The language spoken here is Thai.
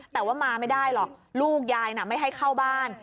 แต่ว่ามาไม่ได้หรอกลูกยายน่ะไม่ให้เข้าบ้าน